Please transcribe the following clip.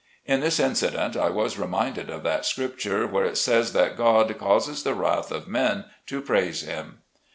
In this incident, I was reminded of that Scripture where it says that God causes the wrath of men to praise him.